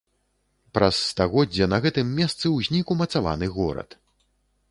Праз стагоддзе на гэтым месцы ўзнік умацаваны горад.